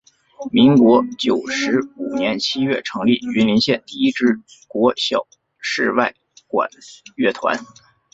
民国九十五年七月成立云林县第一支国小室外管乐团。